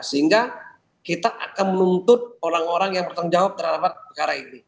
sehingga kita akan menuntut orang orang yang bertanggung jawab terhadap perkara ini